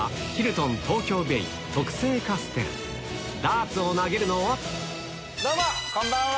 ダーツを投げるのはどうもこんばんは。